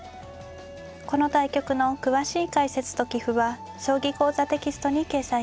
この対局の詳しい解説と棋譜は「将棋講座」テキストに掲載します。